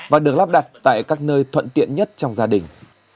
và được lắp đặt tại các nơi thuận tiện nhất trong gia đình